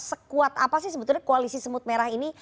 sekuat apa sih sebetulnya koalisi semut merah ini